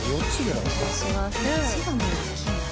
背がもうおっきいんだ。